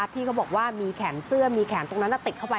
ที่เขาบอกว่ามีแขนเสื้อมีแขนตรงนั้นติดเข้าไป